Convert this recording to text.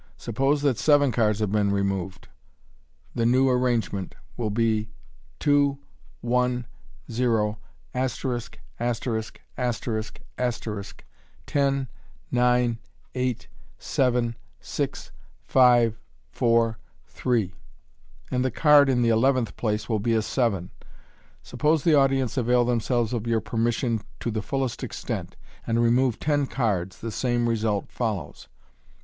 Suppose that seven cards have been removed, the new arrangement will be — a, 1, o, •,*,•,* 10, 9, 8 , 6, 5, 4, 3, and the card in the eleventh place will be a seven. Suppose the audience avail themselves of your permission to the fullest extent, and remove ten cards, the same result follows.